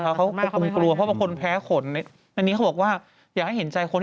เขาก็คงกลัวเพราะว่าคนแพ้ขน